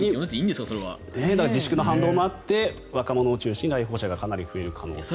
自粛の反動もあって若者を中心に来訪者が増える可能性と。